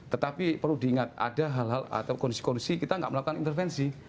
tetapi perlu diingat ada hal hal atau kondisi kondisi kita tidak melakukan intervensi